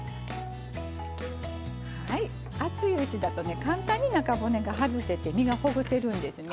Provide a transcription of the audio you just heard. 熱いうちだと簡単に中骨が外せて身がほぐせるんですね。